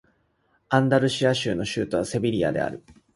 アンダルシア州の州都はセビリアである